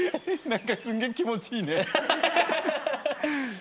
何かすんげえ気持ちいいね。